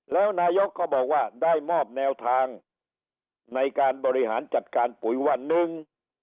แล้วนายกก็บอกว่าได้มอบแนวทางในการบริหารจัดการปุ๋ยวันหนึ่ง